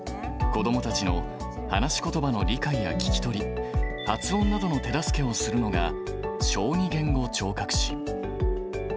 子どもたちの話しことばの理解や聞き取り、発音などの手助けをするのが、小児言語聴覚士。